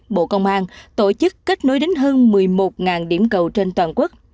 bộ công an tổ chức kết nối đến hơn một mươi một điểm cầu